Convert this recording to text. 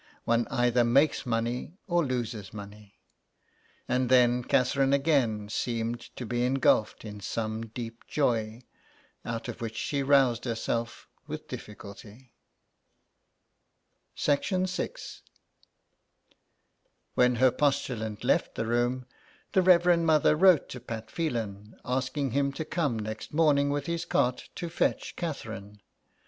One either makes money or loses money." And then Catherine again seemed to be engulfed in some deep joy, out of which she roused herself with difficulty. 147 THE EXILE. VI. When her postulant left the room, the Reverend Mother wrote to Pat Phelan, asking him to come next morning with his cart to fetch Catherine.